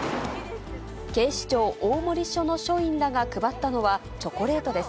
警視庁大森署の署員らが配ったのは、チョコレートです。